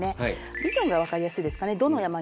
ビジョンが分かりやすいですかね。